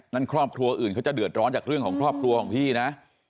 ครอบครัวอื่นเขาจะเดือดร้อนจากเรื่องของครอบครัวของพี่นะ